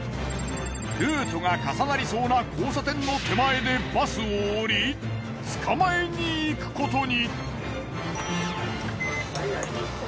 ルートが重なりそうな交差点の手前でバスを降り捕まえに行くことに。